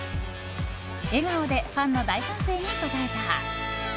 笑顔でファンの大歓声に応えた。